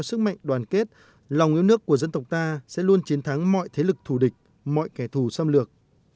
sức mạnh đoàn kết lòng yêu nước của dân tộc ta sẽ luôn chiến thắng mọi thế lực thù địch mọi kẻ thù xâm lược